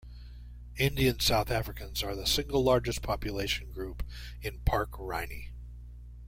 Indian South Africans are the single largest population group in Park Rynie.